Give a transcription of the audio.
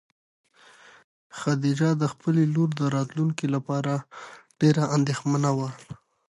خدیجه د خپلې لور د راتلونکي لپاره ډېره اندېښمنه وه.